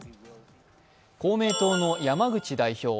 公明党の山口代表